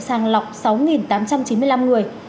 sàng lọc sáu tám trăm chín mươi năm người